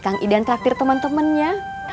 kang idan traktir temen temennya